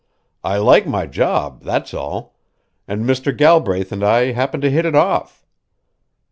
"I like my job, that's all; and Mr. Galbraith and I happen to hit it off."